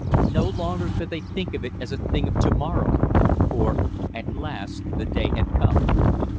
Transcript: No longer could they think of it as a thing of to morrow, for at last the day had come.